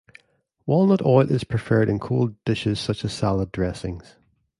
Walnut oil is preferred in cold dishes such as salad dressings.